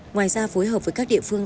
ngoài ra phối hợp với các địa phương